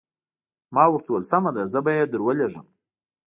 ما ورته وویل سمه ده زه به یې درولېږم.